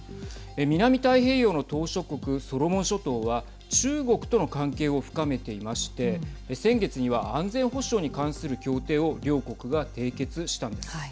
南太平洋の島しょ国ソロモン諸島は中国との関係を深めていまして先月には安全保障に関する協定を両国が締結したのです。